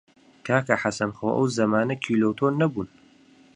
کاکە حەسەن خۆ ئەو زەمانە کیلۆ و تۆن نەبوون!